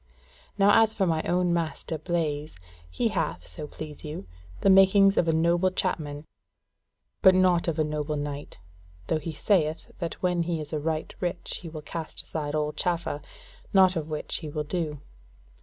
Now as for my own master Blaise, he hath, so please you, the makings of a noble chapman, but not of a noble knight; though he sayeth that when he is right rich he will cast aside all chaffer; naught of which he will do.